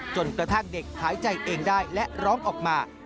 จนกระทั่งเด็กหายใจเองได้และร้องออกมา